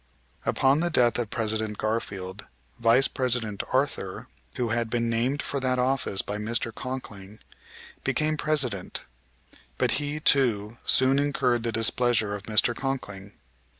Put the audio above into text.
Upon the death of President Garfield Vice President Arthur, who had been named for that office by Mr. Conkling, became President; but he, too, soon incurred the displeasure of Mr. Conkling.